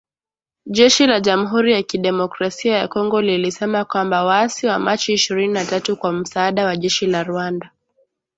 Jeshi la jamuhuri ya kidemokrasia ya kongo lilisema kwamba waasi wa Machi ishirini na tatu kwa msaada wa jeshi la Rwanda